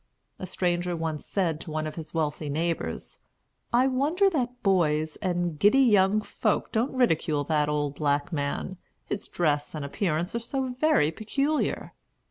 A stranger once said to one of his wealthy neighbors, "I wonder that boys and giddy young folks don't ridicule that old black man, his dress and appearance are so very peculiar."